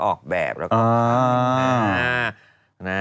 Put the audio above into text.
ออกแบบแล้วก็